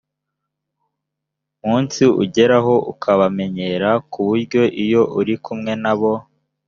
munsi ugeraho ukabamenyera ku buryo iyo uri kumwe na bo